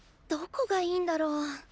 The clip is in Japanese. どこがいいんだろう。